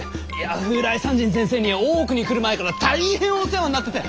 風来山人先生には大奥に来る前から大変お世話んなってて！